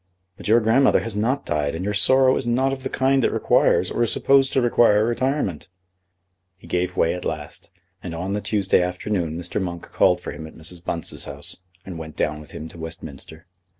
"But your grandmother has not died, and your sorrow is not of the kind that requires or is supposed to require retirement." He gave way at last, and on the Tuesday afternoon Mr. Monk called for him at Mrs. Bunce's house, and went down with him to Westminster.